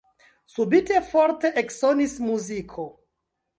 Subite forte eksonis muziko.